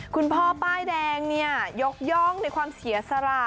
คุณพ่อป้ายแดงเนี่ยยกย่องในความเสียสละ